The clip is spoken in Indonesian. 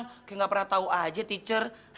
kayak gak pernah tahu aja teacher